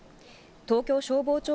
東京消防庁